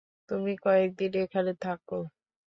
তুমি কয়েকদিন এখানে থাক।